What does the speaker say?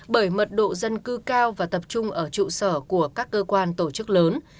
bởi mật độ dân cư cao và tập trung ở trụ sở của các cơ quan tổ chức lớn